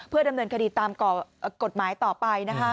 ดำเนินคดีตามกฎหมายต่อไปนะคะ